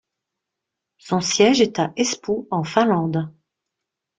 Son siège est à Espoo en Finlande.